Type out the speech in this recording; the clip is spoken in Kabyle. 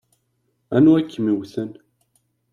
Anwa i kem-yewwten?